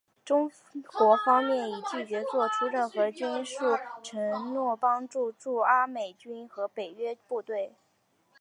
中国方面已拒绝做出任何军事承诺帮助驻阿美军和北约部队。